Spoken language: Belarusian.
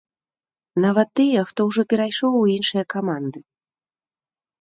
Нават тыя, хто ўжо перайшоў у іншыя каманды.